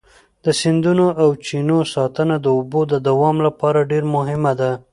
د سیندونو او چینو ساتنه د اوبو د دوام لپاره ډېره مهمه ده.